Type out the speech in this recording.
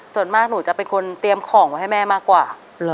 ส่วนมากหนูจะเป็นคนเตรียมของไว้ให้แม่มากกว่า